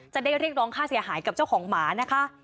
จะได้เรียกร้องค่าเสียหายกับเจ้าของหมานะคะ